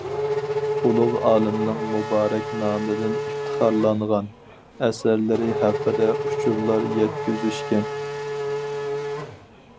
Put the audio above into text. ئۇلۇغ ئالىمنىڭ مۇبارەك نامىدىن ئىپتىخارلانغان، ئەسەرلىرى ھەققىدە ئۇچۇرلار يەتكۈزۈشكەن.